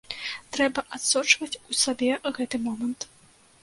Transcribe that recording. Трэба адсочваць у сабе гэты момант.